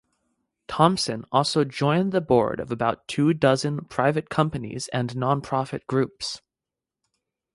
Thompson also joined the board of about two dozen private companies and nonprofit groups.